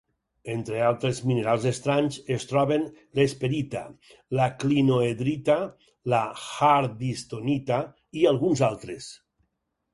Entre altres minerals estranys es troben l'esperita, la clinohedrita, la hardystonita i alguns altres.